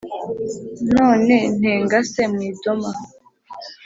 None ntengase mu idoma,